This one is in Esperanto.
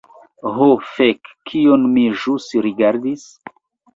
Ho fek, kion mi ĵus rigardis?